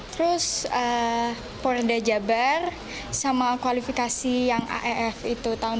terus porenda jabar sama kualifikasi yang aef itu tahun dua ribu delapan belas